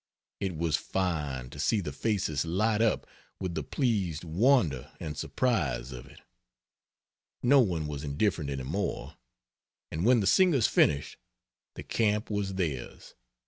It was fine to see the faces light up with the pleased wonder and surprise of it. No one was indifferent any more; and when the singers finished, the camp was theirs.